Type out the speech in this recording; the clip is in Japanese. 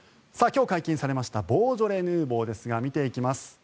今日解禁されましたボージョレ・ヌーボーですが見ていきます。